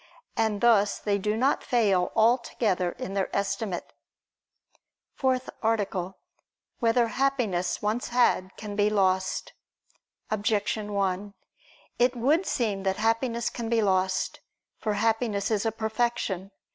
And thus they do not fail altogether in their estimate. ________________________ FOURTH ARTICLE [I II, Q. 5, Art. 4] Whether Happiness Once Had Can Be Lost? Objection 1: It would seem that Happiness can be lost. For Happiness is a perfection.